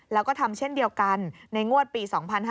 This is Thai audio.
แล้วก็ทำเช่นเดียวกันในงวดปี๒๕๕๙